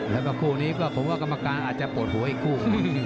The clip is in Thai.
แล้วก็คู่นี้ก็ผมว่ากรรมการอาจจะปวดหัวอีกคู่